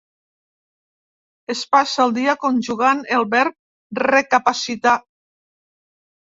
Es passa el dia conjugant el verb recapacitar.